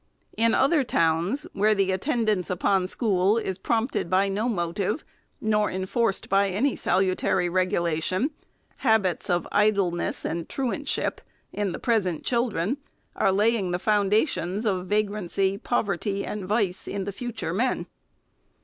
In other towns, where the attendance upon school is prompted by no motive, nor enforced by any salutary regulation, habits of idleness and truantship in the present children are laying the foundations of vagrancy, poverty, and vice in the future men.